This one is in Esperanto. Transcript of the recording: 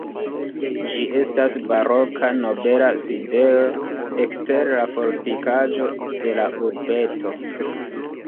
Ĝi estas baroka nobela sidejo ekster la fortikaĵo de la urbeto.